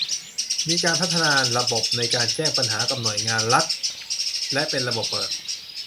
มีการพัฒนาระบบในการแจ้งปัญหากับหน่วยงานรัฐและเป็นระบบเปิด